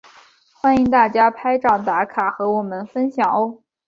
欢迎大家拍照打卡和我们分享喔！